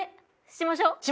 しましょう。